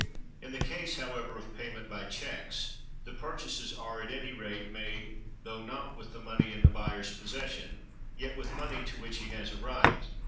In the case, however, of payment by checks, the purchases are, at any rate, made, though not with the money in the buyer's possession, yet with money to which he has a right.